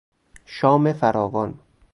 شام فراوان